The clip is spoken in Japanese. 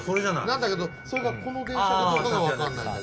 なんだけどそれがこの電車かどうかが分かんない。